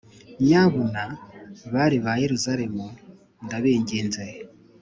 Nyabuna, bari ba Yeruzalemu, ndabinginze,